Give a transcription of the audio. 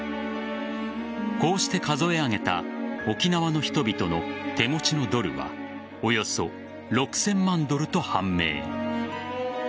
こうして数え上げた沖縄の人々の手持ちのドルはおよそ６０００万ドルと判明。